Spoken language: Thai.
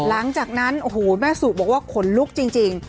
หลังจากนั้นแม่สู่นารีบอกว่าขนลุกจริง